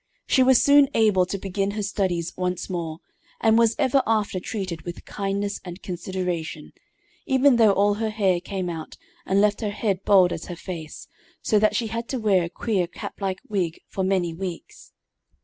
She was soon able to begin her studies once more, and was ever afterward treated with kindness and consideration, even though all her hair came out and left her head bald as her face, so that she had to wear a queer cap like wig for many weeks.